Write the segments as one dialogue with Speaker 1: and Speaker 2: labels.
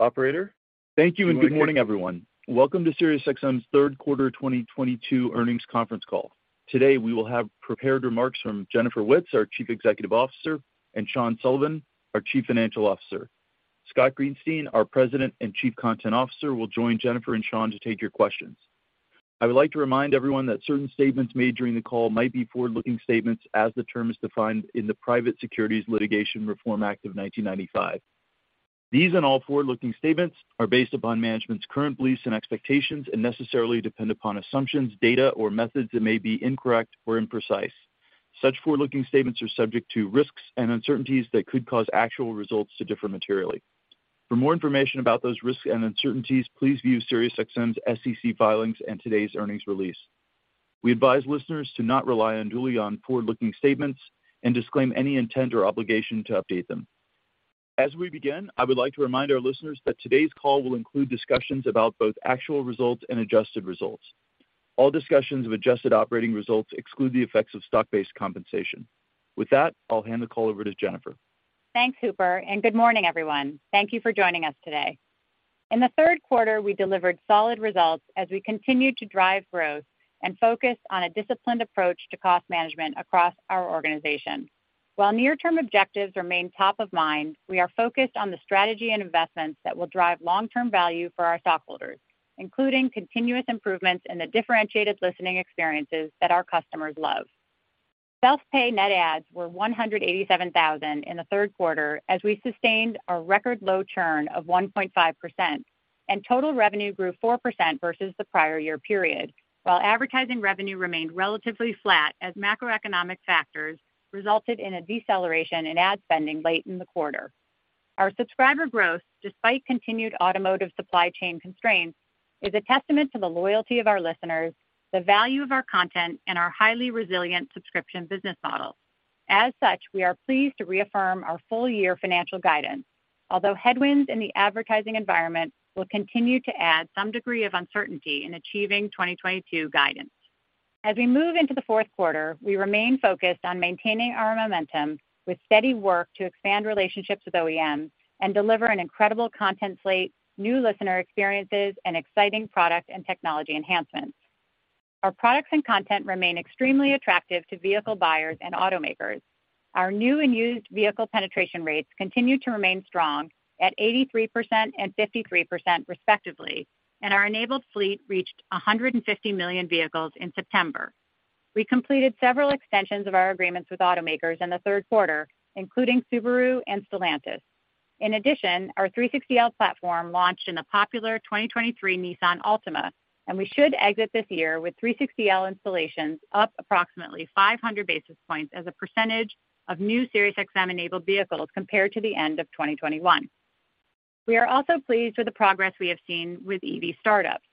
Speaker 1: Operator. Thank you and good morning, everyone. Welcome to SiriusXM's Third Quarter 2022 Earnings Conference Call. Today, we will have prepared remarks from Jennifer Witz, our Chief Executive Officer, and Sean Sullivan, our Chief Financial Officer. Scott Greenstein, our President and Chief Content Officer, will join Jennifer and Sean to take your questions. I would like to remind everyone that certain statements made during the call might be forward-looking statements as the term is defined in the Private Securities Litigation Reform Act of 1995. These and all forward-looking statements are based upon management's current beliefs and expectations and necessarily depend upon assumptions, data, or methods that may be incorrect or imprecise. Such forward-looking statements are subject to risks and uncertainties that could cause actual results to differ materially. For more information about those risks and uncertainties, please view SiriusXM's SEC filings and today's earnings release. We advise listeners to not rely unduly on forward-looking statements and disclaim any intent or obligation to update them. As we begin, I would like to remind our listeners that today's call will include discussions about both actual results and adjusted results. All discussions of adjusted operating results exclude the effects of stock-based compensation. With that, I'll hand the call over to Jennifer.
Speaker 2: Thanks, Hooper, and good morning, everyone. Thank you for joining us today. In the third quarter, we delivered solid results as we continued to drive growth and focus on a disciplined approach to cost management across our organization. While near-term objectives remain top of mind, we are focused on the strategy and investments that will drive long-term value for our stockholders, including continuous improvements in the differentiated listening experiences that our customers love. Self-pay net adds were 187,000 in the third quarter as we sustained a record low churn of 1.5% and total revenue grew 4% versus the prior year period, while advertising revenue remained relatively flat as macroeconomic factors resulted in a deceleration in ad spending late in the quarter. Our subscriber growth, despite continued automotive supply chain constraints, is a testament to the loyalty of our listeners, the value of our content, and our highly resilient subscription business model. As such, we are pleased to reaffirm our full-year financial guidance, although headwinds in the advertising environment will continue to add some degree of uncertainty in achieving 2022 guidance. As we move into the fourth quarter, we remain focused on maintaining our momentum with steady work to expand relationships with OEMs and deliver an incredible content slate, new listener experiences, and exciting product and technology enhancements. Our products and content remain extremely attractive to vehicle buyers and automakers. Our new and used vehicle penetration rates continue to remain strong at 83% and 53% respectively, and our enabled fleet reached 150 million vehicles in September. We completed several extensions of our agreements with automakers in the third quarter, including Subaru and Stellantis. In addition, our 360L platform launched in the popular 2023 Nissan Altima, and we should exit this year with 360L installations up approximately 500 basis points as a percentage of new SiriusXM-enabled vehicles compared to the end of 2021. We are also pleased with the progress we have seen with EV startups.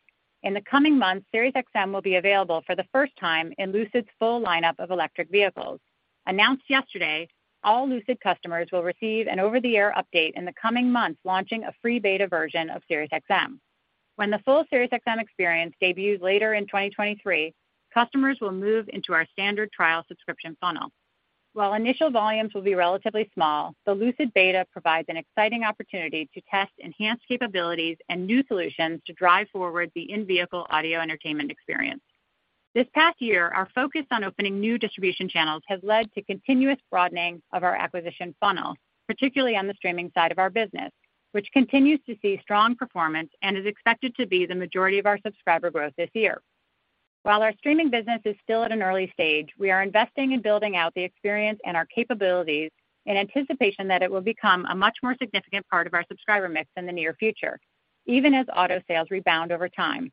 Speaker 2: In the coming months, SiriusXM will be available for the first time in Lucid's full lineup of electric vehicles. Announced yesterday, all Lucid customers will receive an over-the-air update in the coming months launching a free beta version of SiriusXM. When the full SiriusXM experience debuts later in 2023, customers will move into our standard trial subscription funnel. While initial volumes will be relatively small, the Lucid beta provides an exciting opportunity to test enhanced capabilities and new solutions to drive forward the in-vehicle audio entertainment experience. This past year, our focus on opening new distribution channels has led to continuous broadening of our acquisition funnel, particularly on the streaming side of our business, which continues to see strong performance and is expected to be the majority of our subscriber growth this year. While our streaming business is still at an early stage, we are investing in building out the experience and our capabilities in anticipation that it will become a much more significant part of our subscriber mix in the near future, even as auto sales rebound over time.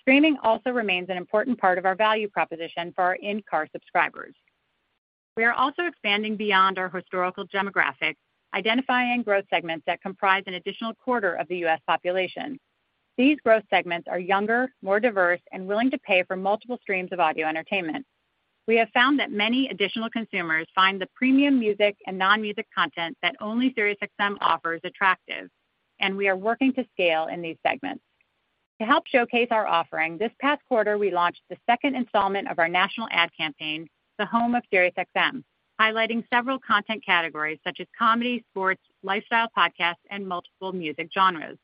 Speaker 2: Streaming also remains an important part of our value proposition for our in-car subscribers. We are also expanding beyond our historical demographics, identifying growth segments that comprise an additional quarter of the U.S. population. These growth segments are younger, more diverse, and willing to pay for multiple streams of audio entertainment. We have found that many additional consumers find the premium music and non-music content that only SiriusXM offers attractive, and we are working to scale in these segments. To help showcase our offering, this past quarter we launched the second installment of our national ad campaign, The Home of SiriusXM, highlighting several content categories such as comedy, sports, lifestyle podcasts, and multiple music genres.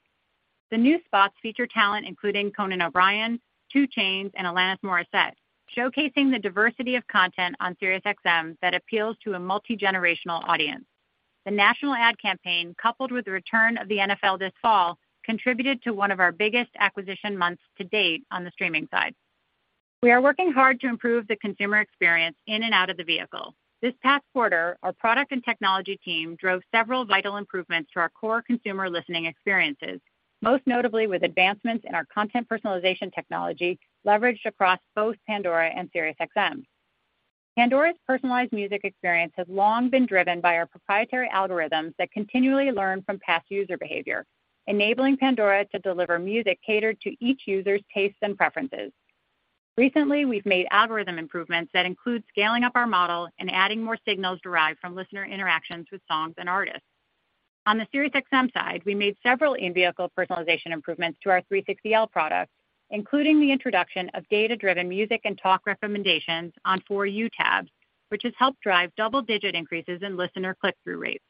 Speaker 2: The new spots feature talent including Conan O'Brien, 2 Chainz, and Alanis Morissette, showcasing the diversity of content on SiriusXM that appeals to a multi-generational audience. The national ad campaign, coupled with the return of the NFL this fall, contributed to one of our biggest acquisition months to date on the streaming side. We are working hard to improve the consumer experience in and out of the vehicle. This past quarter, our product and technology team drove several vital improvements to our core consumer listening experiences, most notably with advancements in our content personalization technology leveraged across both Pandora and SiriusXM. Pandora's personalized music experience has long been driven by our proprietary algorithms that continually learn from past user behavior, enabling Pandora to deliver music catered to each user's tastes and preferences. Recently, we've made algorithm improvements that include scaling up our model and adding more signals derived from listener interactions with songs and artists. On the SiriusXM side, we made several in-vehicle personalization improvements to our 360L products, including the introduction of data-driven music and talk recommendations on For You tabs, which has helped drive double-digit increases in listener click-through rates.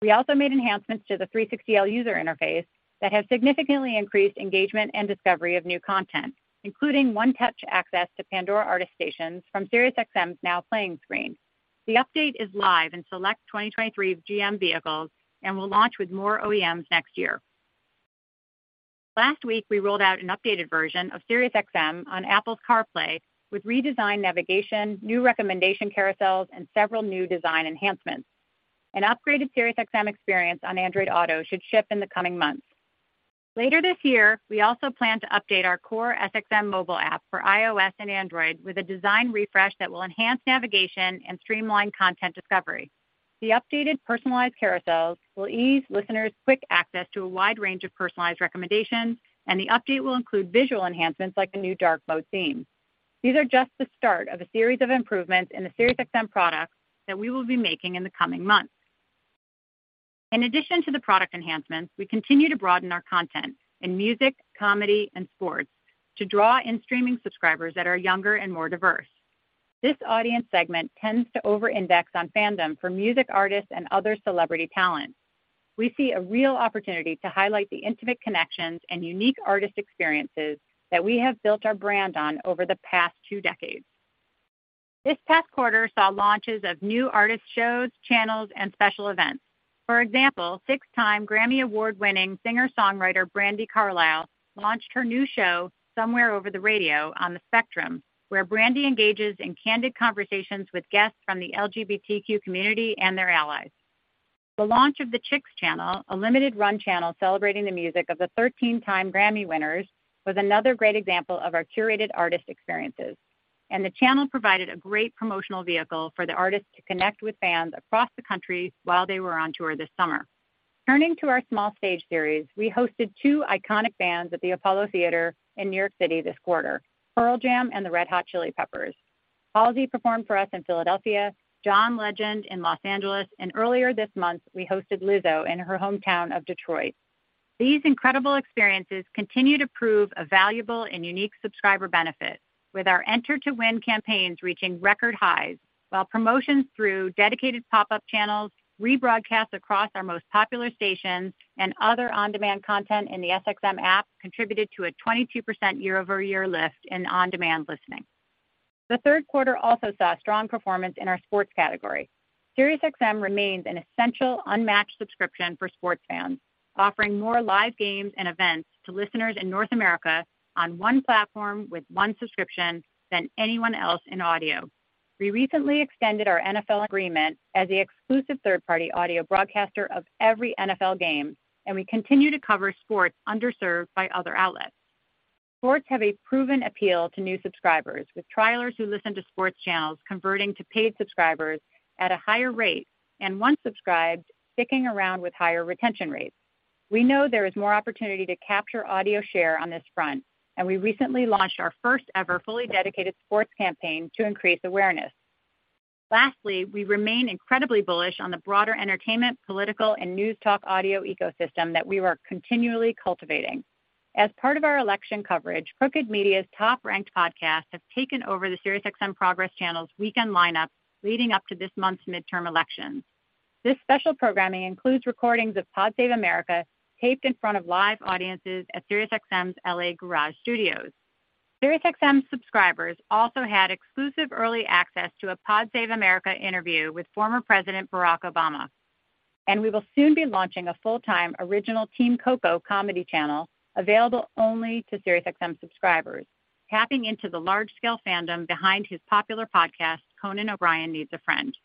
Speaker 2: We also made enhancements to the 360L user interface that have significantly increased engagement and discovery of new content, including one-touch access to Pandora artist stations from SiriusXM's Now Playing screen. The update is live in select 2023 GM vehicles and will launch with more OEMs next year. Last week, we rolled out an updated version of SiriusXM on Apple's CarPlay with redesigned navigation, new recommendation carousels, and several new design enhancements. An upgraded SiriusXM experience on Android Auto should ship in the coming months. Later this year, we also plan to update our core SXM App for iOS and Android with a design refresh that will enhance navigation and streamline content discovery. The updated personalized carousels will ease listeners' quick access to a wide range of personalized recommendations, and the update will include visual enhancements like the new dark mode theme. These are just the start of a series of improvements in the SiriusXM products that we will be making in the coming months. In addition to the product enhancements, we continue to broaden our content in music, comedy, and sports to draw in streaming subscribers that are younger and more diverse. This audience segment tends to over-index on fandom for music artists and other celebrity talent. We see a real opportunity to highlight the intimate connections and unique artist experiences that we have built our brand on over the past two decades. This past quarter saw launches of new artist shows, channels, and special events. For example, six-time Grammy Award-winning singer-songwriter Brandi Carlile launched her new show, Somewhere Over the Radio, on The Spectrum, where Brandi engages in candid conversations with guests from the LGBTQ community and their allies. The launch of The Chicks Channel, a limited-run channel celebrating the music of the thirteen-time Grammy winners, was another great example of our curated artist experiences. The channel provided a great promotional vehicle for the artists to connect with fans across the country while they were on tour this summer. Turning to our Small Stage Series, we hosted two iconic bands at the Apollo Theater in New York City this quarter, Pearl Jam and the Red Hot Chili Peppers. Halsey performed for us in Philadelphia, John Legend in Los Angeles, and earlier this month, we hosted Lizzo in her hometown of Detroit. These incredible experiences continue to prove a valuable and unique subscriber benefit, with our Enter to Win campaigns reaching record highs while promotions through dedicated pop-up channels, rebroadcasts across our most popular stations, and other on-demand content in the SXM app contributed to a 22% year-over-year lift in on-demand listening. The third quarter also saw strong performance in our sports category. SiriusXM remains an essential, unmatched subscription for sports fans, offering more live games and events to listeners in North America on one platform with one subscription than anyone else in audio. We recently extended our NFL agreement as the exclusive third-party audio broadcaster of every NFL game, and we continue to cover sports underserved by other outlets. Sports have a proven appeal to new subscribers, with trialers who listen to sports channels converting to paid subscribers at a higher rate, and once subscribed, sticking around with higher retention rates. We know there is more opportunity to capture audio share on this front, and we recently launched our first ever fully dedicated sports campaign to increase awareness. Lastly, we remain incredibly bullish on the broader entertainment, political, and news talk audio ecosystem that we are continually cultivating. As part of our election coverage, Crooked Media's top-ranked podcasts have taken over the SiriusXM Progress channel's weekend lineup leading up to this month's midterm elections. This special programming includes recordings of Pod Save America taped in front of live audiences at SiriusXM's L.A. Garage Studios. SiriusXM subscribers also had exclusive early access to a Pod Save America interview with former President Barack Obama. We will soon be launching a full-time original Team Coco comedy channel available only to SiriusXM subscribers, tapping into the large-scale fandom behind his popular podcast, Conan O'Brien Needs a Friend.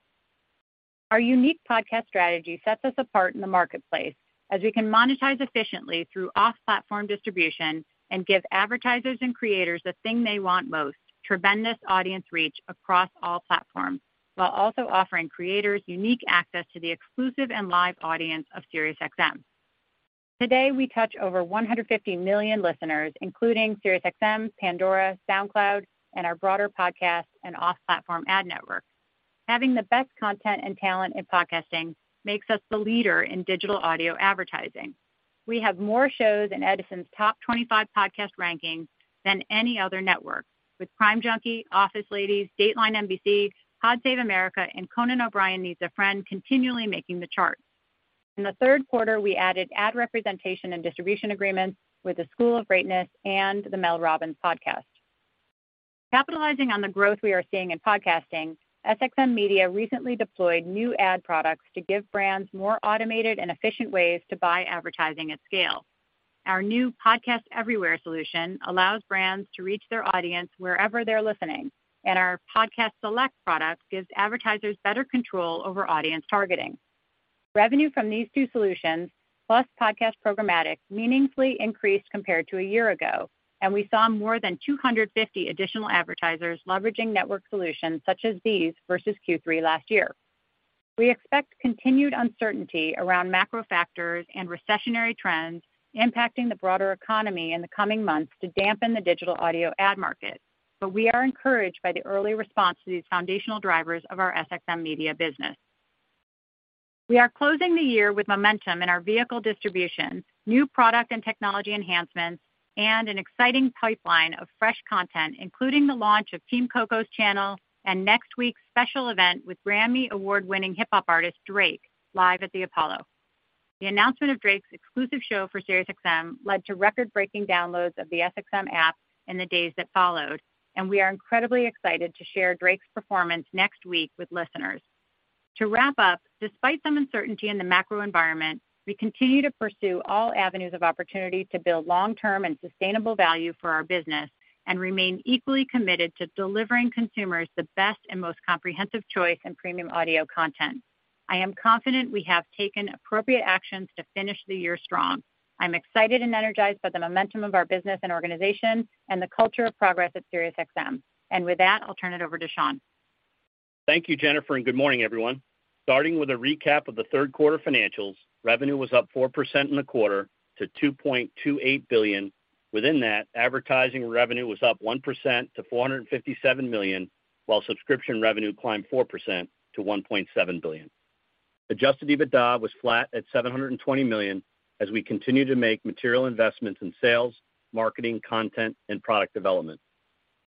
Speaker 2: Our unique podcast strategy sets us apart in the marketplace as we can monetize efficiently through off-platform distribution and give advertisers and creators the thing they want most, tremendous audience reach across all platforms, while also offering creators unique access to the exclusive and live audience of SiriusXM. Today, we touch over 150 million listeners, including SiriusXM, Pandora, SoundCloud, and our broader podcast and off-platform ad network. Having the best content and talent in podcasting makes us the leader in digital audio advertising. We have more shows in Edison's top 25 podcast rankings than any other network, with Crime Junkie, Office Ladies, Dateline NBC, Pod Save America, and Conan O'Brien Needs a Friend continually making the chart. In the third quarter, we added ad representation and distribution agreements with The School of Greatness and the Mel Robbins podcast. Capitalizing on the growth we are seeing in podcasting, SXM Media recently deployed new ad products to give brands more automated and efficient ways to buy advertising at scale. Our new Podcast Everywhere solution allows brands to reach their audience wherever they're listening, and our Podcast Select product gives advertisers better control over audience targeting. Revenue from these two solutions, plus podcast programmatic, meaningfully increased compared to a year ago, and we saw more than 250 additional advertisers leveraging network solutions such as these versus Q3 last year. We expect continued uncertainty around macro factors and recessionary trends impacting the broader economy in the coming months to dampen the digital audio ad market, but we are encouraged by the early response to these foundational drivers of our SXM Media business. We are closing the year with momentum in our vehicle distribution, new product and technology enhancements, and an exciting pipeline of fresh content, including the launch of Team Coco's channel and next week's special event with Grammy Award-winning hip-hop artist Drake, Live at the Apollo. The announcement of Drake's exclusive show for SiriusXM led to record-breaking downloads of the SXM app in the days that followed, and we are incredibly excited to share Drake's performance next week with listeners. To wrap up, despite some uncertainty in the macro environment, we continue to pursue all avenues of opportunity to build long-term and sustainable value for our business and remain equally committed to delivering consumers the best and most comprehensive choice in premium audio content. I am confident we have taken appropriate actions to finish the year strong. I'm excited and energized by the momentum of our business and organization and the culture of progress at SiriusXM. With that, I'll turn it over to Sean.
Speaker 3: Thank you, Jennifer, and good morning, everyone. Starting with a recap of the third quarter financials, revenue was up 4% in the quarter to $2.28 billion. Within that, advertising revenue was up 1% to $457 million, while subscription revenue climbed 4% to $1.7 billion. Adjusted EBITDA was flat at $720 million as we continue to make material investments in sales, marketing, content, and product development.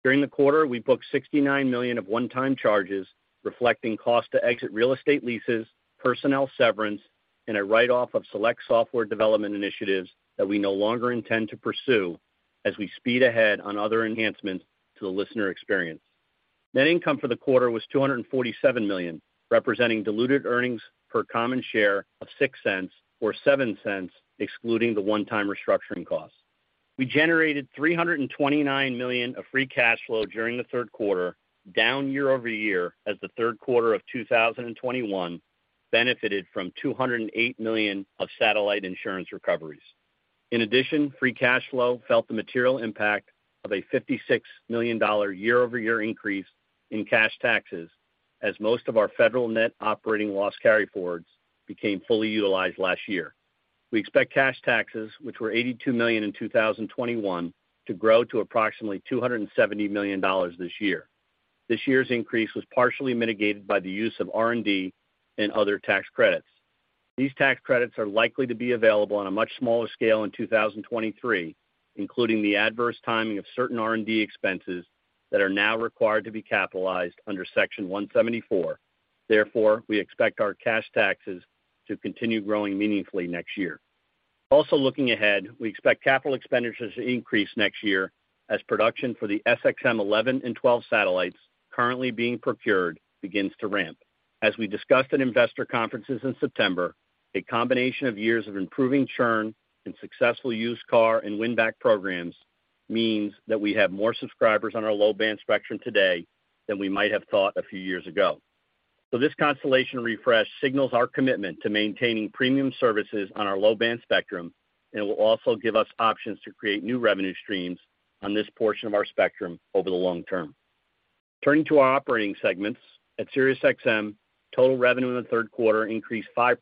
Speaker 3: During the quarter, we booked $69 million of one-time charges reflecting cost to exit real estate leases, personnel severance, and a write-off of select software development initiatives that we no longer intend to pursue as we speed ahead on other enhancements to the listener experience. Net income for the quarter was $247 million, representing diluted earnings per common share of $0.06 or $0.07, excluding the one-time restructuring costs. We generated $329 million of free cash flow during the third quarter, down year-over-year as the third quarter of 2021 benefited from $208 million of satellite insurance recoveries. In addition, free cash flow felt the material impact of a $56 million year-over-year increase in cash taxes as most of our federal net operating loss carryforwards became fully utilized last year. We expect cash taxes, which were $82 million in 2021, to grow to approximately $270 million this year. This year's increase was partially mitigated by the use of R&D and other tax credits. These tax credits are likely to be available on a much smaller scale in 2023, including the adverse timing of certain R&D expenses that are now required to be capitalized under Section 174. Therefore, we expect our cash taxes to continue growing meaningfully next year. Also looking ahead, we expect capital expenditures to increase next year as production for the SXM-11 and SXM-12 satellites currently being procured begins to ramp. As we discussed at investor conferences in September, a combination of years of improving churn and successful used car and win-back programs means that we have more subscribers on our low-band spectrum today than we might have thought a few years ago. This constellation refresh signals our commitment to maintaining premium services on our low-band spectrum, and it will also give us options to create new revenue streams on this portion of our spectrum over the long term. Turning to our operating segments, at SiriusXM, total revenue in the third quarter increased 5%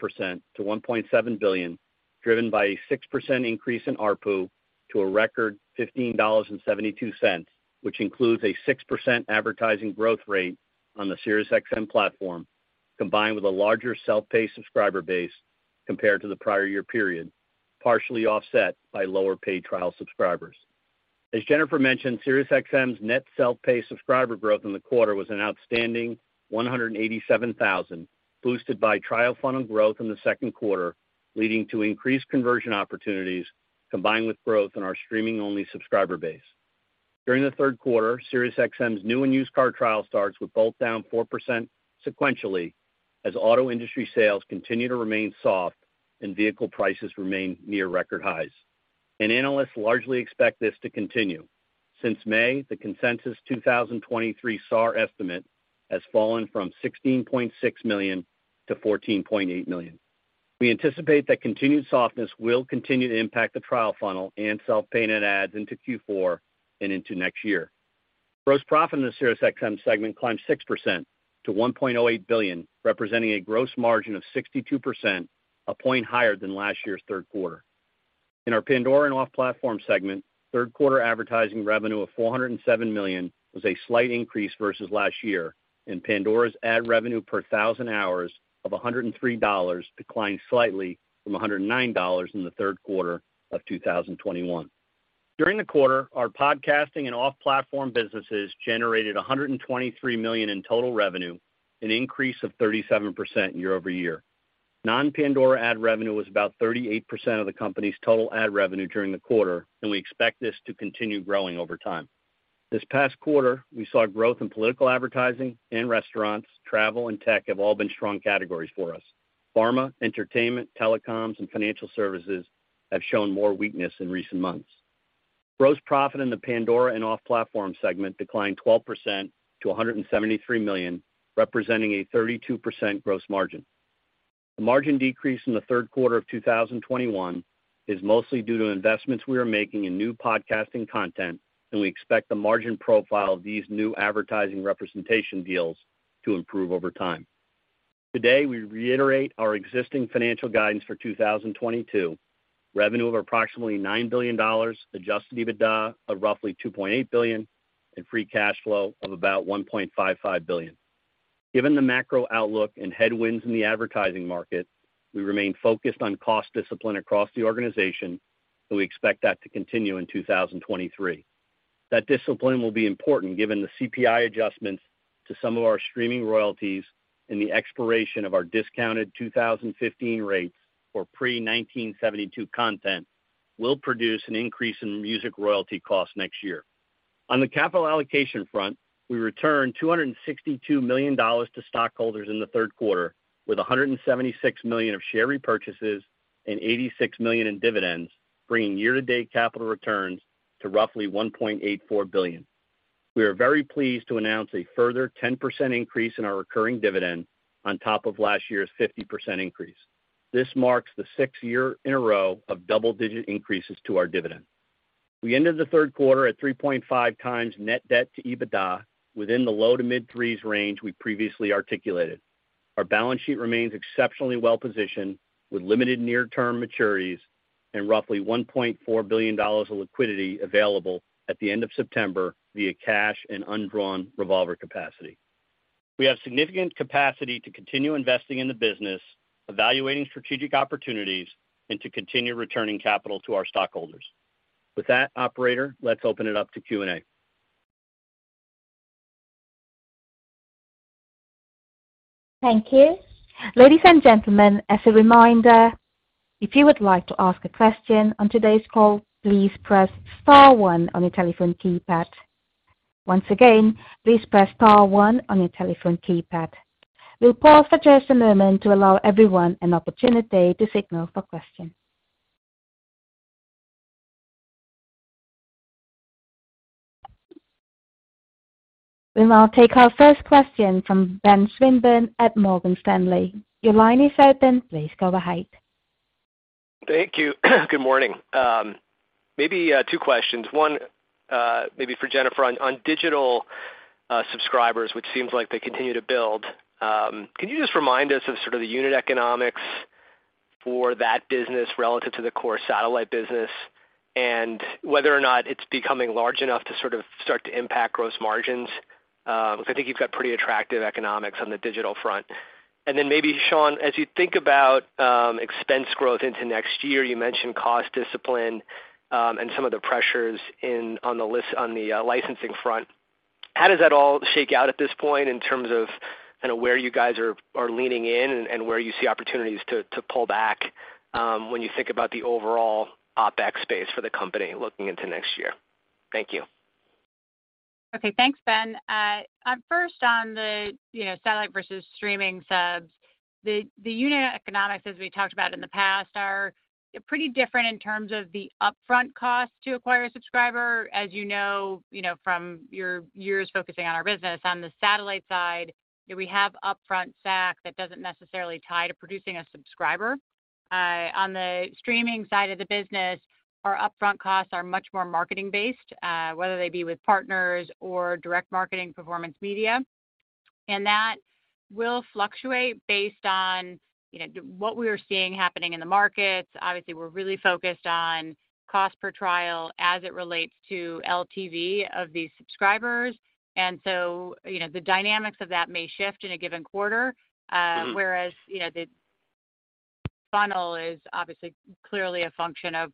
Speaker 3: to $1.7 billion, driven by a 6% increase in ARPU to a record $15.72, which includes a 6% advertising growth rate on the SiriusXM platform, combined with a larger self-pay subscriber base compared to the prior year period, partially offset by lower paid trial subscribers. As Jennifer mentioned, SiriusXM's net self-pay subscriber growth in the quarter was an outstanding 187,000, boosted by trial funnel growth in the second quarter, leading to increased conversion opportunities combined with growth in our streaming-only subscriber base. During the third quarter, SiriusXM's new and used car trial starts were both down 4% sequentially as auto industry sales continue to remain soft and vehicle prices remain near record highs. Analysts largely expect this to continue. Since May, the consensus 2023 SAR estimate has fallen from $16.6 million to $14.8 million. We anticipate that continued softness will continue to impact the trial funnel and self-pay net adds into Q4 and into next year. Gross profit in the SiriusXM segment climbed 6% to $1.8 billion, representing a gross margin of 62%, a point higher than last year's third quarter. In our Pandora and off-platform segment, third quarter advertising revenue of $407 million was a slight increase versus last year, and Pandora's ad revenue per thousand hours of $103 declined slightly from $109 in the third quarter of 2021. During the quarter, our podcasting and off-platform businesses generated $123 million in total revenue, an increase of 37% year-over-year. Non-Pandora ad revenue was about 38% of the company's total ad revenue during the quarter, and we expect this to continue growing over time. This past quarter, we saw growth in political advertising, and restaurants, travel, and tech have all been strong categories for us. Pharma, entertainment, telecoms, and financial services have shown more weakness in recent months. Gross profit in the Pandora and off-platform segment declined 12% to $173 million, representing a 32% gross margin. The margin decrease in the third quarter of 2021 is mostly due to investments we are making in new podcasting content, and we expect the margin profile of these new advertising representation deals to improve over time. Today, we reiterate our existing financial guidance for 2022. Revenue of approximately $9 billion, adjusted EBITDA of roughly $2.8 billion and free cash flow of about $1.55 billion. Given the macro outlook and headwinds in the advertising market, we remain focused on cost discipline across the organization, and we expect that to continue in 2023. That discipline will be important given the CPI adjustments to some of our streaming royalties and the expiration of our discounted 2015 rates for pre-1972 content will produce an increase in music royalty costs next year. On the capital allocation front, we returned $262 million to stockholders in the third quarter, with $176 million of share repurchases and $86 million in dividends, bringing year-to-date capital returns to roughly $1.84 billion. We are very pleased to announce a further 10% increase in our recurring dividend on top of last year's 50% increase. This marks the sixth year in a row of double-digit increases to our dividend. We ended the third quarter at 3.5x net debt to EBITDA within the low- to mid-threes range we previously articulated. Our balance sheet remains exceptionally well positioned, with limited near-term maturities and roughly $1.4 billion of liquidity available at the end of September via cash and undrawn revolver capacity. We have significant capacity to continue investing in the business, evaluating strategic opportunities and to continue returning capital to our stockholders. With that, operator, let's open it up to Q&A.
Speaker 4: Thank you. Ladies and gentlemen, as a reminder, if you would like to ask a question on today's call, please press star one on your telephone keypad. Once again, please press star one on your telephone keypad. We'll pause for just a moment to allow everyone an opportunity to signal for questions. We will now take our first question from Ben Swinburne at Morgan Stanley. Your line is open. Please go ahead.
Speaker 5: Thank you. Good morning. Maybe two questions. One, maybe for Jennifer. On digital subscribers, which seems like they continue to build, can you just remind us of sort of the unit economics for that business relative to the core satellite business and whether or not it's becoming large enough to sort of start to impact gross margins? Because I think you've got pretty attractive economics on the digital front. Then maybe Sean, as you think about expense growth into next year, you mentioned cost discipline, and some of the pressures on the licensing front. How does that all shake out at this point in terms of kinda where you guys are leaning in and where you see opportunities to pull back, when you think about the overall OpEx space for the company looking into next year? Thank you.
Speaker 2: Okay. Thanks, Ben. First on the, you know, satellite versus streaming subs, the unit economics, as we talked about in the past, are pretty different in terms of the upfront cost to acquire a subscriber. As you know, from your years focusing on our business, on the satellite side, we have upfront SAC that doesn't necessarily tie to producing a subscriber. On the streaming side of the business, our upfront costs are much more marketing based, whether they be with partners or direct marketing performance media. That will fluctuate based on, you know, what we are seeing happening in the markets. Obviously, we're really focused on cost per trial as it relates to LTV of these subscribers. You know, the dynamics of that may shift in a given quarter.
Speaker 5: Mm-hmm.
Speaker 2: You know, the funnel is obviously clearly a function of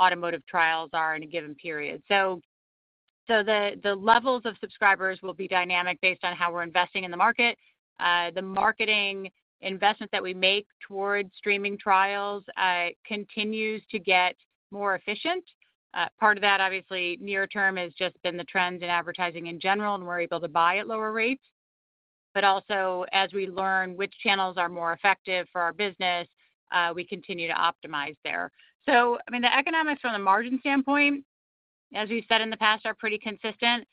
Speaker 2: what automotive trials are in a given period. The levels of subscribers will be dynamic based on how we're investing in the market. The marketing investments that we make towards streaming trials continues to get more efficient. Part of that obviously near term has just been the trends in advertising in general, and we're able to buy at lower rates. Also as we learn which channels are more effective for our business, we continue to optimize there. I mean, the economics from the margin standpoint, as we've said in the past, are pretty consistent.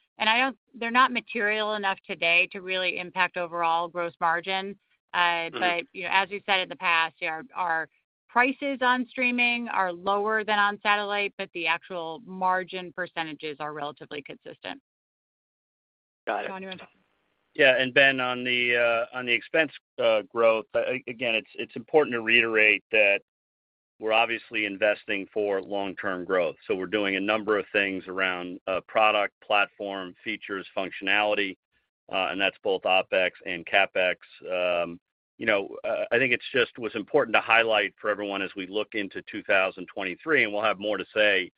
Speaker 2: They're not material enough today to really impact overall gross margin.
Speaker 5: Mm-hmm.
Speaker 2: you know, as we've said in the past, our prices on streaming are lower than on satellite, but the actual margin percentages are relatively consistent.
Speaker 5: Got it.
Speaker 2: Sean, you want to
Speaker 3: Yeah. Ben, on the expense growth, again, it's important to reiterate that we're obviously investing for long-term growth. We're doing a number of things around product, platform, features, functionality, and that's both OpEx and CapEx. You know, I think it was just important to highlight for everyone as we look into 2023, and we'll have more to say,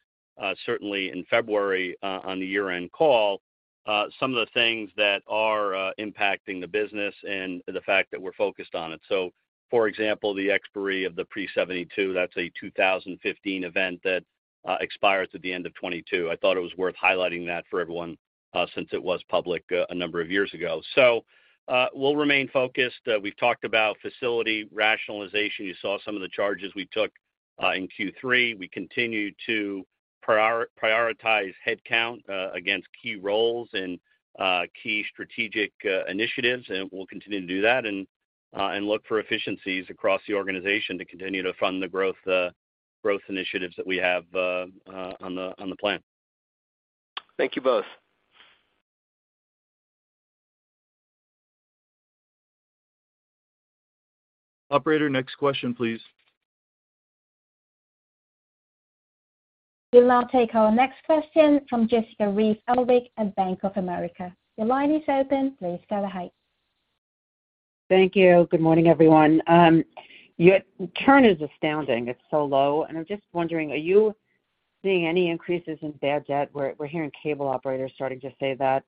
Speaker 3: certainly in February, on the year-end call, some of the things that are impacting the business and the fact that we're focused on it. For example, the expiry of the pre-72, that's a 2015 event that expires at the end of 2022. I thought it was worth highlighting that for everyone, since it was public a number of years ago. We'll remain focused. We've talked about facility rationalization. You saw some of the charges we took in Q3. We continue to prioritize headcount against key roles and key strategic initiatives, and we'll continue to do that and look for efficiencies across the organization to continue to fund the growth initiatives that we have on the plan.
Speaker 5: Thank you both.
Speaker 1: Operator, next question, please.
Speaker 4: We'll now take our next question from Jessica Reif Ehrlich at Bank of America. Your line is open. Please go ahead.
Speaker 6: Thank you. Good morning, everyone. Your churn is astounding. It's so low. I'm just wondering, are you seeing any increases in bad debt? We're hearing cable operators starting to say that.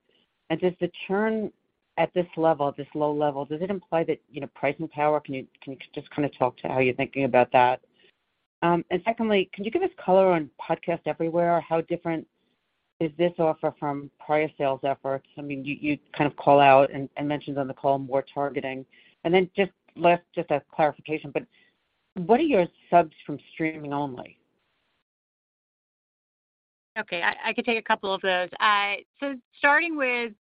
Speaker 6: Does the churn at this level, this low level, imply that, you know, pricing power? Can you just kinda talk to how you're thinking about that? Secondly, can you give us color on Podcast Everywhere? How different is this offer from prior sales efforts? I mean, you kind of call out and mentioned on the call more targeting. Then just last, just as clarification, but what are your subs from streaming only?
Speaker 2: Okay. I could take a couple of those. Starting with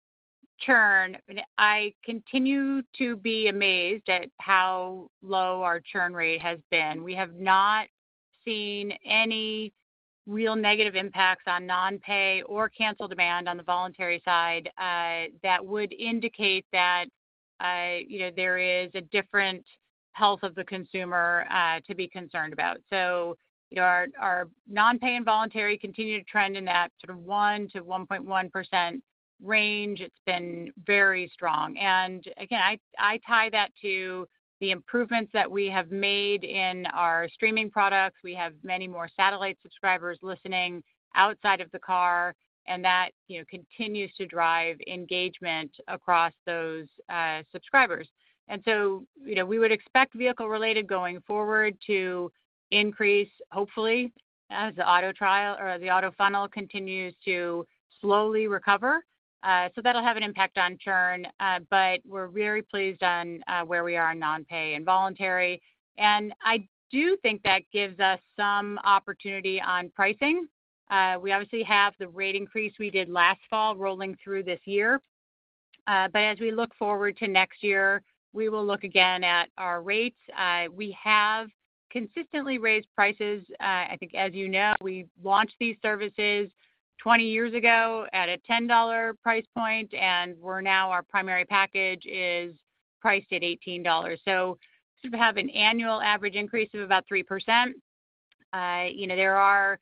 Speaker 2: churn, I continue to be amazed at how low our churn rate has been. We have not seen any real negative impacts on non-pay or cancel demand on the voluntary side, that would indicate that, you know, there is a different health of the consumer, to be concerned about. You know, our non-pay and voluntary continue to trend in that sort of 1%-1.1% range. It's been very strong. Again, I tie that to the improvements that we have made in our streaming products. We have many more satellite subscribers listening outside of the car, and that, you know, continues to drive engagement across those subscribers. You know, we would expect vehicle-related going forward to increase, hopefully, as the auto trial or the auto funnel continues to slowly recover. That'll have an impact on churn, but we're very pleased on where we are on non-pay and voluntary. I do think that gives us some opportunity on pricing. We obviously have the rate increase we did last fall rolling through this year. As we look forward to next year, we will look again at our rates. We have consistently raised prices. I think as you know, we launched these services 20 years ago at a $10 price point, and we're now our primary package is priced at $18. We have an annual average increase of about 3%. You know, there are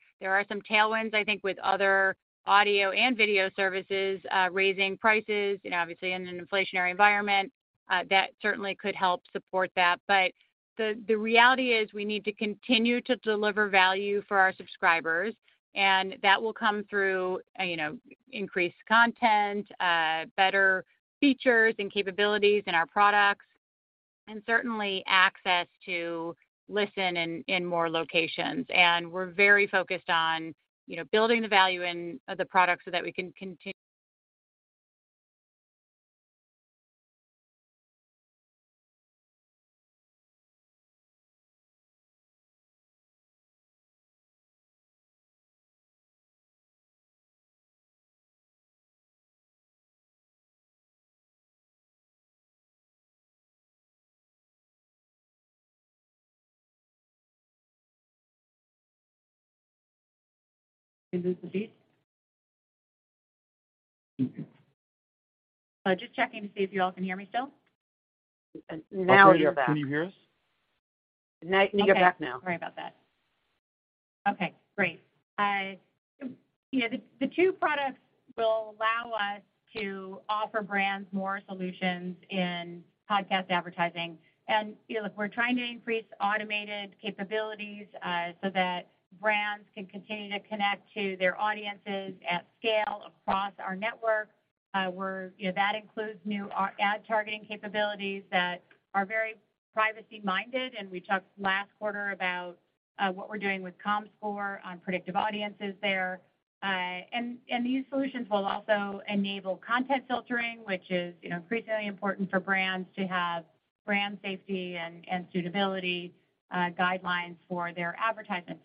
Speaker 2: some tailwinds, I think, with other audio and video services raising prices, you know, obviously in an inflationary environment, that certainly could help support that. The reality is we need to continue to deliver value for our subscribers, and that will come through, you know, increased content, better features and capabilities in our products, and certainly access to listen in more locations. We're very focused on, you know, building the value in the product so that we can continue. You lose the feed? Just checking to see if you all can hear me still.
Speaker 6: Now we have.
Speaker 3: Operator, can you hear us?
Speaker 6: I think you're back now.
Speaker 2: Okay. Sorry about that. Okay, great. You know, the two products will allow us to offer brands more solutions in podcast advertising. You know, look, we're trying to increase automated capabilities so that brands can continue to connect to their audiences at scale across our network. You know, that includes new ad targeting capabilities that are very privacy-minded, and we talked last quarter about what we're doing with Comscore on predictive audiences there. These solutions will also enable content filtering, which is, you know, increasingly important for brands to have brand safety and suitability guidelines for their advertisements.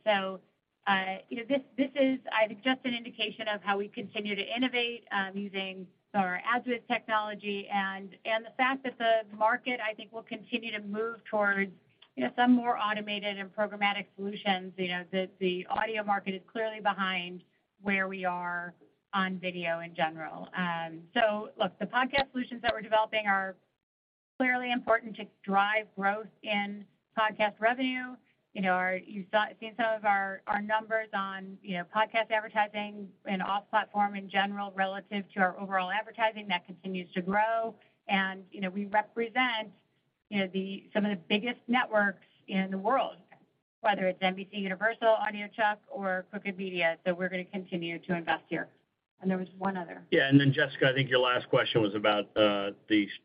Speaker 2: You know, this is, I think, just an indication of how we continue to innovate using our AdsWizz technology and the fact that the market, I think, will continue to move towards you know some more automated and programmatic solutions. You know, the audio market is clearly behind where we are on video in general. Look, the podcast solutions that we're developing are clearly important to drive growth in podcast revenue. You know, you have seen some of our numbers on you know podcast advertising and off-platform in general relative to our overall advertising that continues to grow. You know, we represent you know some of the biggest networks in the world, whether it's NBCUniversal on iHeart or Crooked Media. We're gonna continue to invest here. There was one other.
Speaker 3: Jessica, I think your last question was about the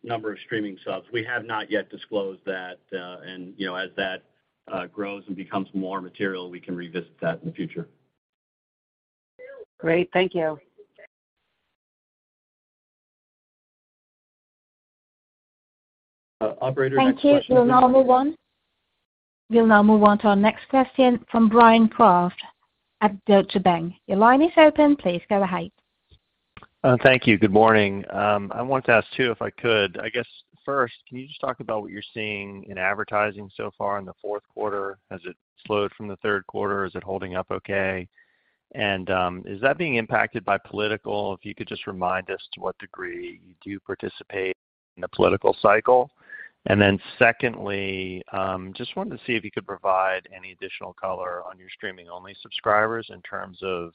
Speaker 3: number of streaming subs. We have not yet disclosed that. And, you know, as that grows and becomes more material, we can revisit that in the future.
Speaker 6: Great. Thank you.
Speaker 1: Operator, next question.
Speaker 4: Thank you. We'll now move on to our next question from Bryan Kraft at Deutsche Bank. Your line is open. Please go ahead.
Speaker 7: Thank you. Good morning. I want to ask, too, if I could. I guess first, can you just talk about what you're seeing in advertising so far in the fourth quarter? Has it slowed from the third quarter? Is it holding up okay? Is that being impacted by political? If you could just remind us to what degree you do participate in the political cycle. Secondly, just wanted to see if you could provide any additional color on your streaming-only subscribers in terms of,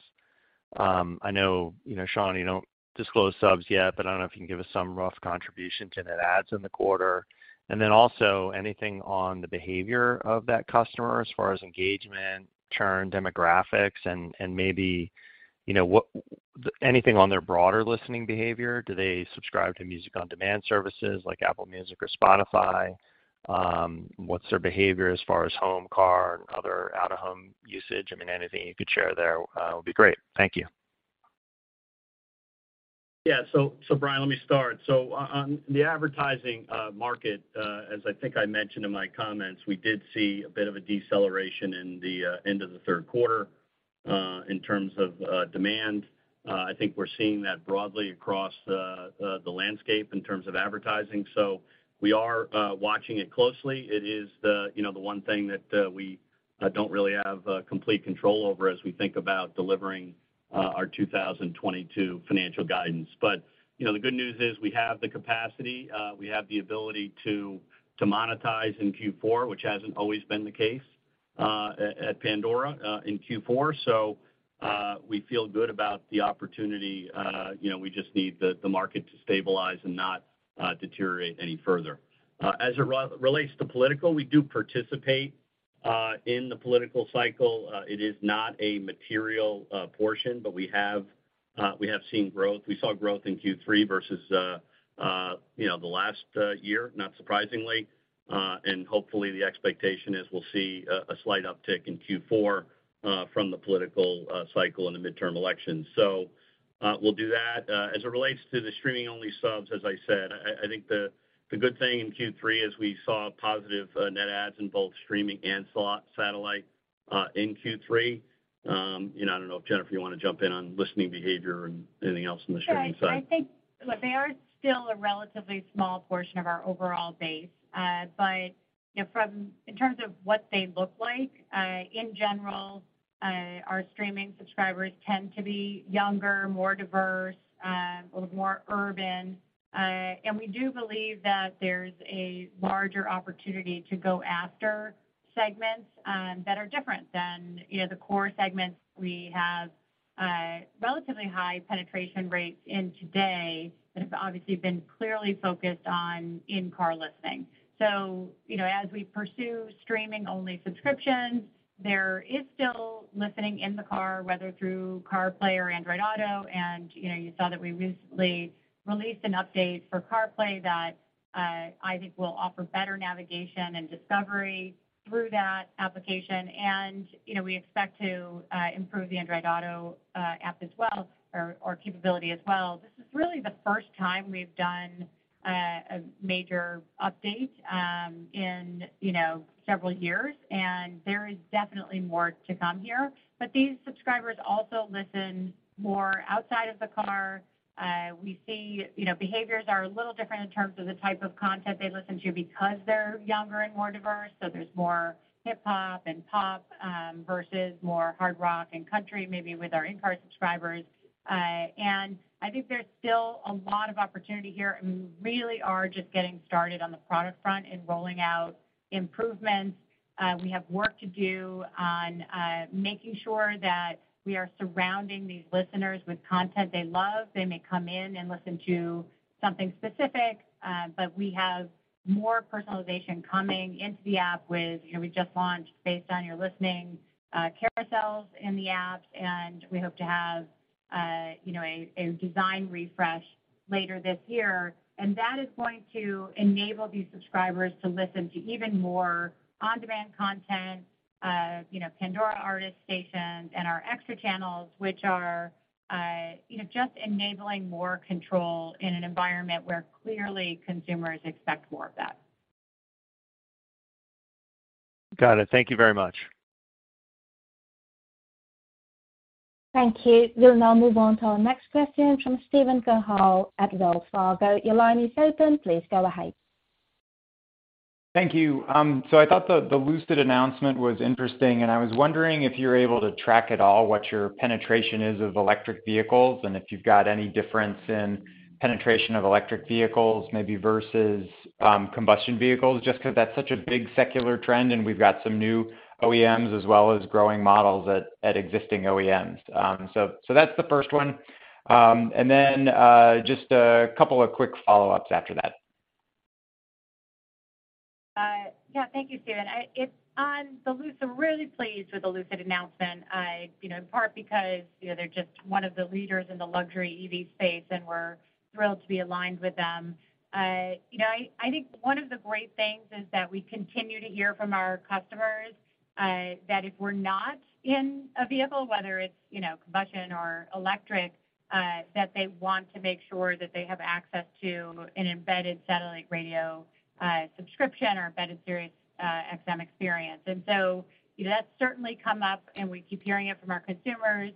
Speaker 7: I know, you know, Sean, you don't disclose subs yet, but I don't know if you can give us some rough contribution to net ads in the quarter. Also anything on the behavior of that customer as far as engagement, churn, demographics, and maybe, you know, what anything on their broader listening behavior. Do they subscribe to music on-demand services like Apple Music or Spotify? What's their behavior as far as home, car, and other out-of-home usage? I mean, anything you could share there would be great. Thank you.
Speaker 3: Yeah. Bryan, let me start. On the advertising market, as I think I mentioned in my comments, we did see a bit of a deceleration in the end of the third quarter in terms of demand. I think we're seeing that broadly across the landscape in terms of advertising. We are watching it closely. It is, you know, the one thing that we don't really have complete control over as we think about delivering our 2022 financial guidance. The good news is we have the capacity, we have the ability to monetize in Q4, which hasn't always been the case at Pandora in Q4. We feel good about the opportunity. You know, we just need the market to stabilize and not deteriorate any further. As it relates to political, we do participate in the political cycle. It is not a material portion, but we have seen growth. We saw growth in Q3 versus you know, the last year, not surprisingly. Hopefully, the expectation is we'll see a slight uptick in Q4 from the political cycle and the midterm elections. We'll do that. As it relates to the streaming-only subs, as I said, I think the good thing in Q3 is we saw positive net adds in both streaming and satellite in Q3. You know, I don't know if Jennifer, you wanna jump in on listening behavior and anything else in the streaming side.
Speaker 2: Sure. I think they are still a relatively small portion of our overall base. But, you know, in terms of what they look like, in general, our streaming subscribers tend to be younger, more diverse, a little more urban. And we do believe that there's a larger opportunity to go after segments that are different than, you know, the core segments we have, relatively high penetration rates in today that have obviously been clearly focused on in-car listening. You know, as we pursue streaming-only subscriptions, there is still listening in the car, whether through CarPlay or Android Auto. You know, you saw that we recently released an update for CarPlay that, I think will offer better navigation and discovery through that application. You know, we expect to improve the Android Auto app as well or capability as well. This is really the first time we've done a major update in, you know, several years, and there is definitely more to come here. These subscribers also listen more outside of the car. We see, you know, behaviors are a little different in terms of the type of content they listen to because they're younger and more diverse, so there's more hip-hop and pop versus more hard rock and country, maybe with our in-car subscribers. I think there's still a lot of opportunity here, and we really are just getting started on the product front in rolling out improvements. We have work to do on making sure that we are surrounding these listeners with content they love. They may come in and listen to something specific, but we have more personalization coming into the app with, you know, we just launched Based On Your Listening, carousels in the app, and we hope to have, you know, a design refresh later this year. That is going to enable these subscribers to listen to even more on-demand content, you know, Pandora artist stations and our extra channels, which are, you know, just enabling more control in an environment where clearly consumers expect more of that.
Speaker 7: Got it. Thank you very much.
Speaker 4: Thank you. We'll now move on to our next question from Steven Cahall at Wells Fargo. Your line is open. Please go ahead.
Speaker 8: Thank you. I thought the Lucid announcement was interesting, and I was wondering if you're able to track at all what your penetration is of electric vehicles, and if you've got any difference in penetration of electric vehicles maybe versus combustion vehicles, just 'cause that's such a big secular trend, and we've got some new OEMs as well as growing models at existing OEMs. That's the first one. And then just a couple of quick follow-ups after that.
Speaker 2: Yeah. Thank you, Steven. It's on the Lucid, we're really pleased with the Lucid announcement. You know, in part because, you know, they're just one of the leaders in the luxury EV space, and we're thrilled to be aligned with them. You know, I think one of the great things is that we continue to hear from our customers that if we're not in a vehicle, whether it's, you know, combustion or electric, that they want to make sure that they have access to an embedded satellite radio subscription or embedded SiriusXM experience. You know, that's certainly come up and we keep hearing it from our consumers.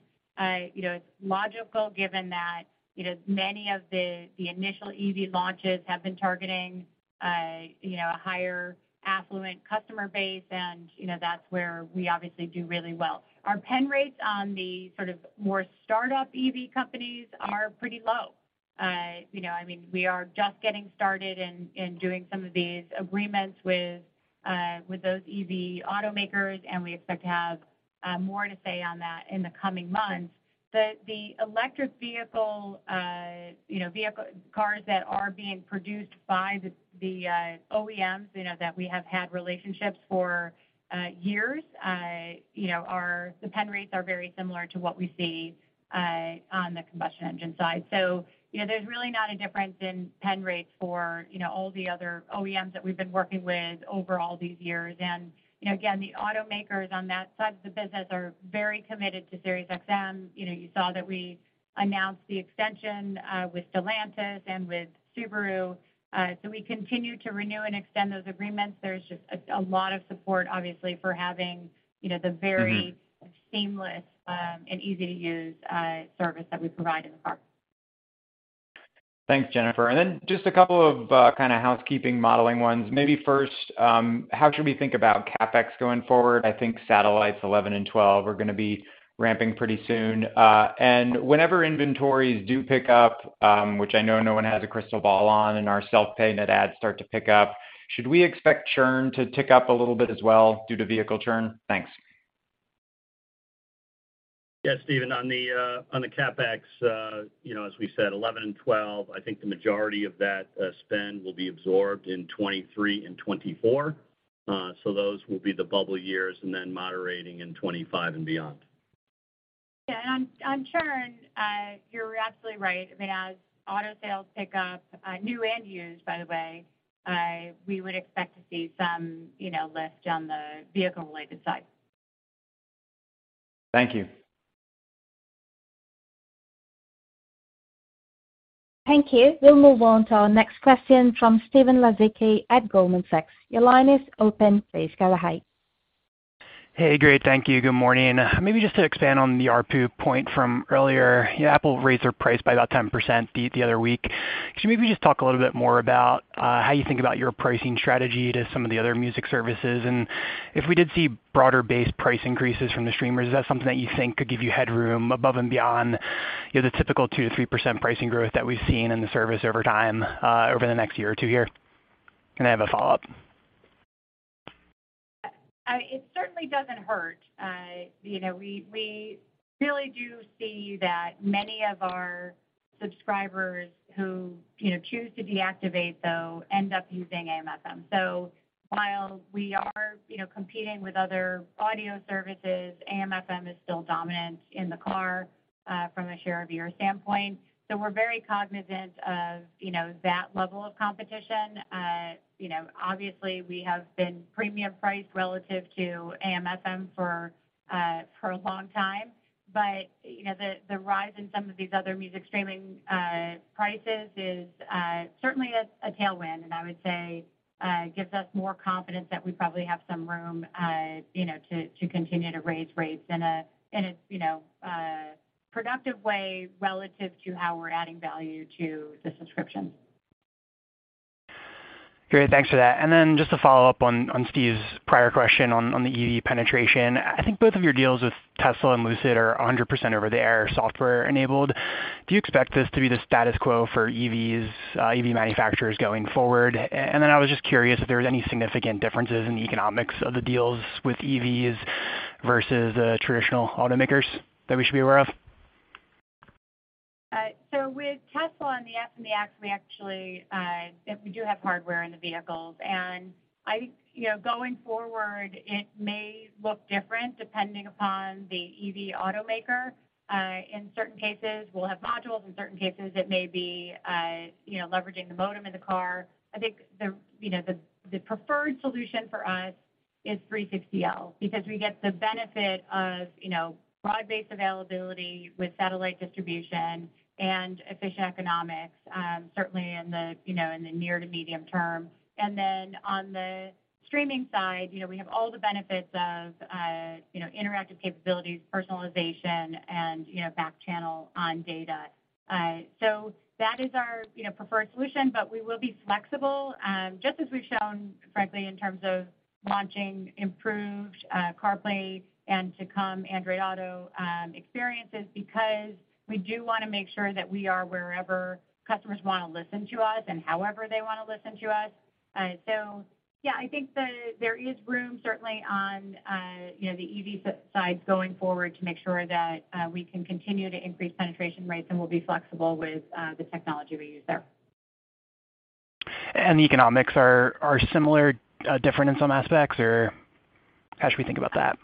Speaker 2: You know, it's logical given that, you know, many of the initial EV launches have been targeting, you know, a higher affluent customer base and, you know, that's where we obviously do really well. Our pen rates on the sort of more startup EV companies are pretty low. You know, I mean, we are just getting started in doing some of these agreements with those EV automakers, and we expect to have more to say on that in the coming months. The electric vehicle, you know, vehicle- cars that are being produced by the OEMs, you know, that we have had relationships for years, you know, the pen rates are very similar to what we see on the combustion engine side. You know, there's really not a difference in penetration rates for, you know, all the other OEMs that we've been working with over all these years. You know, again, the automakers on that side of the business are very committed to SiriusXM. You know, you saw that we announced the extension with Stellantis and with Subaru. We continue to renew and extend those agreements. There's just a lot of support, obviously, for having, you know, the very
Speaker 8: Mm-hmm...
Speaker 2: seamless and easy-to-use service that we provide in the car.
Speaker 8: Thanks, Jennifer. Just a couple of kind of housekeeping modeling ones. Maybe first, how should we think about CapEx going forward? I think satellites 11 and 12 are gonna be ramping pretty soon. Whenever inventories do pick up, which I know no one has a crystal ball on, and our self-pay net adds start to pick up, should we expect churn to tick up a little bit as well due to vehicle churn? Thanks.
Speaker 3: Yes, Steven. On the CapEx, you know, as we said, 11 and 12, I think the majority of that spend will be absorbed in 2023 and 2024. Those will be the bubble years, and then moderating in 2025 and beyond.
Speaker 2: Yeah. On churn, you're absolutely right. I mean, as auto sales pick up, new and used, by the way, we would expect to see some, you know, lift on the vehicle-related side.
Speaker 8: Thank you.
Speaker 4: Thank you. We'll move on to our next question from Stephen Laszczyk at Goldman Sachs. Your line is open. Please go ahead.
Speaker 9: Hey. Great. Thank you. Good morning. Maybe just to expand on the ARPU point from earlier. You know, Apple raised their price by about 10% the other week. Could you maybe just talk a little bit more about how you think about your pricing strategy to some of the other music services? If we did see broader-based price increases from the streamers, is that something that you think could give you headroom above and beyond, you know, the typical 2%-3% pricing growth that we've seen in the service over time, over the next year or two here? I have a follow-up.
Speaker 2: It certainly doesn't hurt. You know, we really do see that many of our subscribers who choose to deactivate, though, end up using AM/FM. While we are competing with other audio services, AM/FM is still dominant in the car from a share of ear standpoint. We're very cognizant of that level of competition. You know, obviously we have been premium priced relative to AM/FM for a long time. You know, the rise in some of these other music streaming prices is certainly a tailwind, and I would say gives us more confidence that we probably have some room, you know, to continue to raise rates in a productive way relative to how we're adding value to the subscription.
Speaker 9: Great. Thanks for that. Just to follow up on Steven's prior question on the EV penetration. I think both of your deals with Tesla and Lucid are 100% over-the-air software enabled. Do you expect this to be the status quo for EVs, EV manufacturers going forward? I was just curious if there was any significant differences in the economics of the deals with EVs versus traditional automakers that we should be aware of.
Speaker 2: With Tesla on the X and the Y, we actually, we do have hardware in the vehicles. I think, you know, going forward, it may look different depending upon the EV automaker. In certain cases, we'll have modules. In certain cases, it may be, you know, leveraging the modem in the car. I think the preferred solution for us is 360L because we get the benefit of, you know, broad-based availability with satellite distribution and efficient economics, certainly in the near to medium term. Then on the streaming side, you know, we have all the benefits of, you know, interactive capabilities, personalization and, you know, back channel on data. That is our, you know, preferred solution, but we will be flexible, just as we've shown, frankly, in terms of launching improved CarPlay and upcoming Android Auto experiences, because we do wanna make sure that we are wherever customers wanna listen to us and however they wanna listen to us. Yeah, I think there is room certainly on, you know, the EVs side going forward to make sure that we can continue to increase penetration rates, and we'll be flexible with the technology we use there.
Speaker 9: The economics are similar, different in some aspects, or how should we think about that?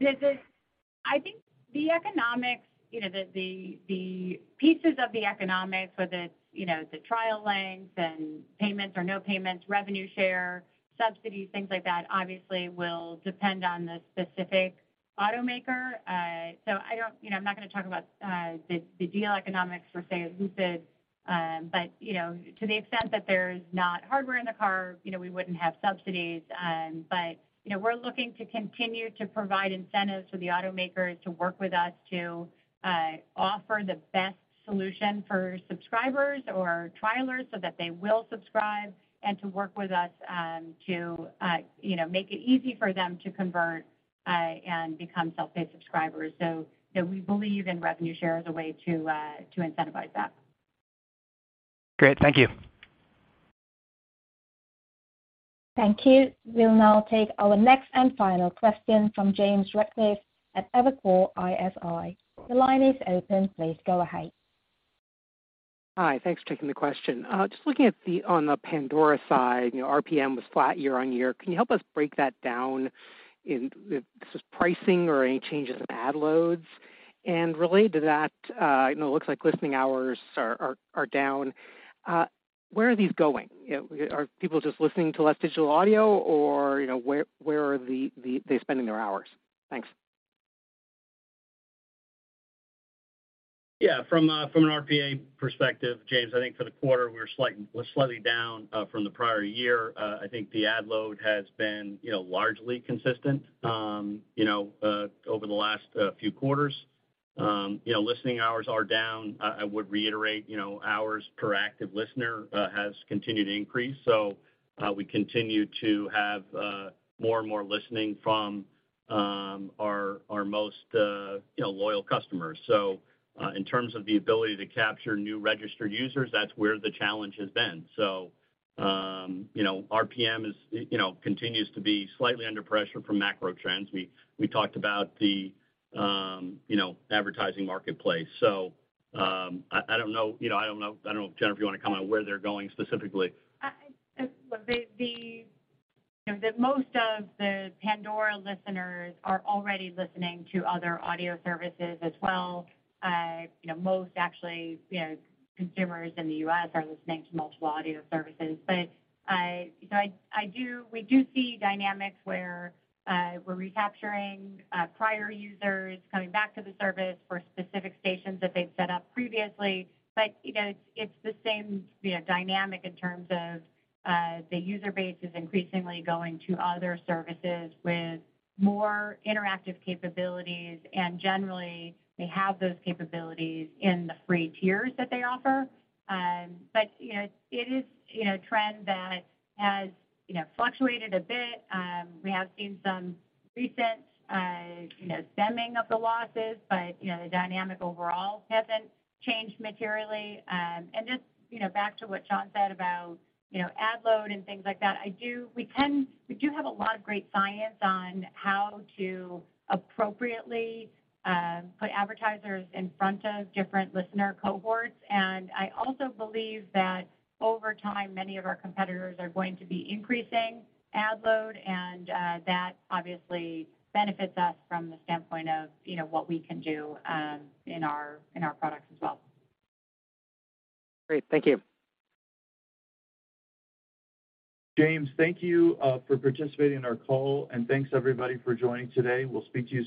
Speaker 2: I think the economics, you know, the pieces of the economics, whether it's, you know, the trial length and payments or no payments, revenue share, subsidies, things like that, obviously will depend on the specific automaker. So I don't, you know, I'm not gonna talk about the deal economics for, say, a Lucid. But, you know, to the extent that there's not hardware in the car, you know, we wouldn't have subsidies. But, you know, we're looking to continue to provide incentives for the automakers to work with us to offer the best solution for subscribers or trialers so that they will subscribe and to work with us to make it easy for them to convert and become self-pay subscribers. You know, we believe in revenue share as a way to incentivize that.
Speaker 9: Great. Thank you.
Speaker 4: Thank you. We'll now take our next and final question from James Ratcliffe at Evercore ISI. The line is open. Please go ahead.
Speaker 10: Hi. Thanks for taking the question. On the Pandora side, you know, RPM was flat year-over-year. Can you help us break that down? If this is pricing or any changes in ad loads? Related to that, you know, it looks like listening hours are down. Where are these going? You know, are people just listening to less digital audio or, you know, where are they spending their hours? Thanks.
Speaker 3: Yeah. From an RPM perspective, James, I think for the quarter we're slightly down from the prior year. I think the ad load has been, you know, largely consistent, you know, over the last few quarters. You know, listening hours are down. I would reiterate, you know, hours per active listener has continued to increase. We continue to have more and more listening from our most, you know, loyal customers. In terms of the ability to capture new registered users, that's where the challenge has been. You know, RPM continues to be slightly under pressure from macro trends. We talked about the, you know, advertising marketplace. I don't know, you know, if Jennifer, you wanna comment on where they're going specifically.
Speaker 2: Look, you know, the most of the Pandora listeners are already listening to other audio services as well. You know, most actually, you know, consumers in the U.S. are listening to multiple audio services. We do see dynamics where we're recapturing prior users coming back to the service for specific stations that they've set up previously. You know, it's the same, you know, dynamic in terms of the user base is increasingly going to other services with more interactive capabilities, and generally they have those capabilities in the free tiers that they offer. You know, it is, you know, trend that has, you know, fluctuated a bit. We have seen some recent, you know, stemming of the losses, but, you know, the dynamic overall hasn't changed materially. Just, you know, back to what Sean said about, you know, ad load and things like that, we do have a lot of great science on how to appropriately put advertisers in front of different listener cohorts. I also believe that over time, many of our competitors are going to be increasing ad load, and that obviously benefits us from the standpoint of, you know, what we can do in our products as well.
Speaker 10: Great. Thank you.
Speaker 3: James, thank you for participating in our call, and thanks everybody for joining today. We'll speak to you soon.